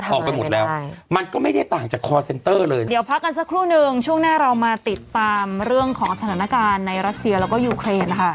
ออกไปหมดแล้วใช่มันก็ไม่ได้ต่างจากคอร์เซ็นเตอร์เลยเดี๋ยวพักกันสักครู่นึงช่วงหน้าเรามาติดตามเรื่องของสถานการณ์ในรัสเซียแล้วก็ยูเครนนะคะ